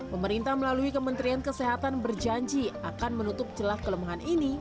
pemerintah melalui kementerian kesehatan berjanji akan menutup jelas kelemahan ini